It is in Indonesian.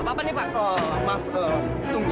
apa apaan terima umpaf untuk